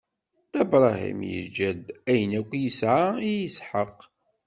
Dda Bṛahim iǧǧa-d ayen akk yesɛa i Isḥaq.